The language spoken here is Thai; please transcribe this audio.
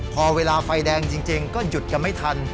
พอเวลาไฟแดงจริงก็หยุดกันไม่ทัน